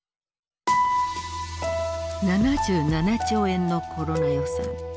７７兆円のコロナ予算。